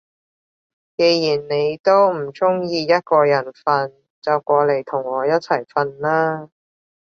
既然你都唔中意一個人瞓，就過嚟同我一齊瞓啦